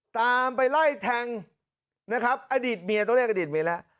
ตามไปไล่แทงนะครับอดีตเมียต้องเรียกอดีตเมียแล้ว